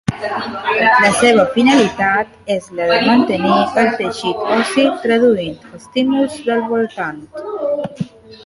La seva finalitat és la de mantenir el teixit ossi traduint estímuls del voltant.